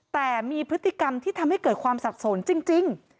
แต่มีพฤติกรรมที่ทำให้เกิดความสับสนจริง